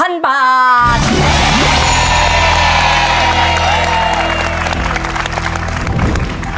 เย้